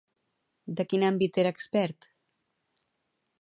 De quin àmbit era expert?